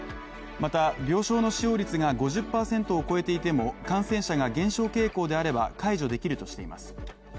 また病床の使用率が５０％を超えても感染者が減少傾向であれば、解除できるとしています。